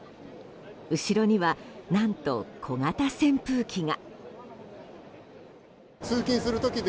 後ろには、何と小型扇風機が。